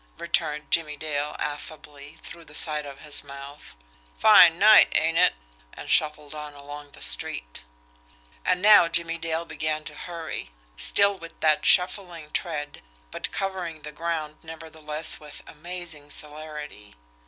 returned Jimmie Dale affably through the side of his mouth. "Fine night, ain't it?" and shuffled on along the street. And now Jimmie Dale began to hurry still with that shuffling tread, but covering the ground nevertheless with amazing celerity.